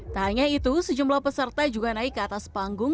tak hanya itu sejumlah peserta juga naik ke atas panggung